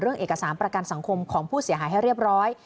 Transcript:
เอกสารประกันสังคมของผู้เสียหายให้เรียบร้อย